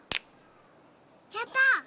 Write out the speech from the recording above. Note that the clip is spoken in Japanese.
やった！